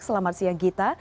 selamat siang gita